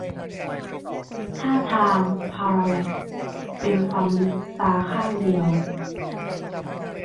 ท่าทางพารัลแลกซ์เป็นความลึกตาข้างเดียว